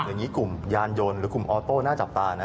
อย่างนี้กลุ่มยานยนต์หรือกลุ่มออโต้น่าจับตานะ